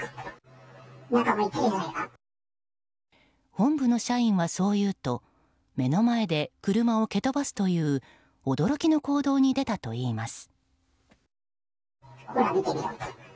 本部の社員はそう言うと目の前で車を蹴飛ばすという驚きの行動に出たといいます。